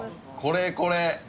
これこれ。